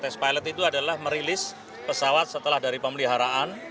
tes pilot itu adalah merilis pesawat setelah dari pemeliharaan